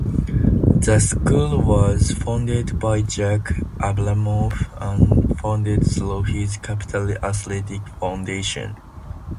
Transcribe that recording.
The school was founded by Jack Abramoff and funded through his Capital Athletic Foundation.